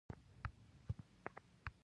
اکبر جان خپل سر ته دوه ډزي ټوپک اېښی و.